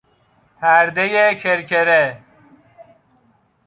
پردهی کرکره